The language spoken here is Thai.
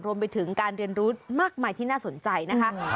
รวมไปถึงการเรียนรู้มากมายที่น่าสนใจนะคะ